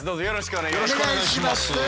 よろしくお願いします。